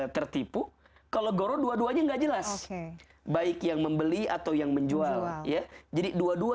tertipu kalau goro dua duanya enggak jelas baik yang membeli atau yang menjual ya jadi dua dua